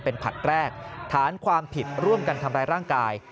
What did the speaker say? เป็นผลัดแรกฐานความผิดร่วมกันทำร้ายร่างกาย